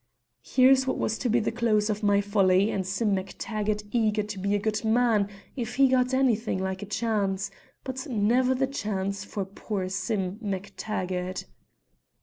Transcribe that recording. Here's what was to be the close of my folly, and Sim MacTaggart eager to be a good man if he got anything like a chance, but never the chance for poor Sim MacTaggart!"